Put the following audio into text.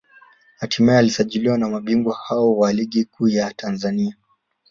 hatimaye alisajiliwa na mabingwa hao wa Ligi Kuu ya Tanzania